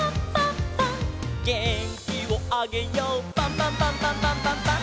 「げんきをあげようパンパンパンパンパンパンパン！！」